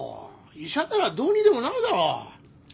医者ならどうにでもなるだろ。